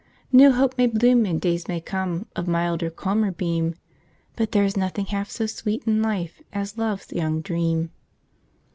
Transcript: New hope may bloom and days may come, Of milder, calmer beam, But there's nothing half so sweet in life As Love's Young Dream.'